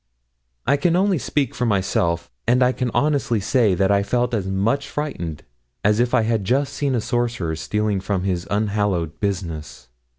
I can only speak for myself, and I can honestly say that I felt as much frightened as if I had just seen a sorcerer stealing from his unhallowed business.